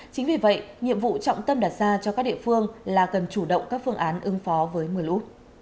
chính vì vậy nhiệm vụ trọng tâm đặt ra cho các địa phương là cần chủ động các phương án ứng phó với mưa lũ